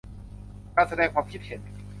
การแสดงความคิดเห็น